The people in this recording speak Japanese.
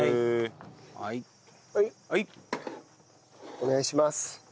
お願いします。